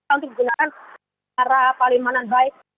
untuk gunakan arah paling mana baik